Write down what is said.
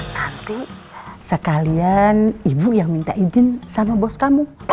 hati sekalian ibu yang minta izin sama bos kamu